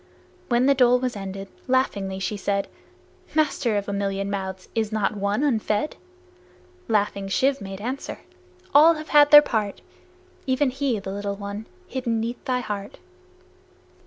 When the dole was ended, laughingly she said, "Master, of a million mouths, is not one unfed?" Laughing, Shiv made answer, "All have had their part, Even he, the little one, hidden 'neath thy heart."